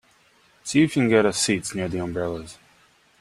See if you can get us seats near the umbrellas.